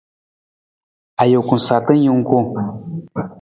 Ajuku sarta jungku.